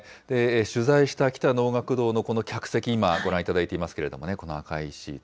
取材した喜多能楽堂のこの客席、今、ご覧いただいていますけどもね、この赤いシート。